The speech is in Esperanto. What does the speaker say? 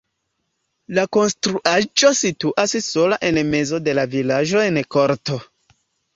La konstruaĵo situas sola en mezo de la vilaĝo en korto.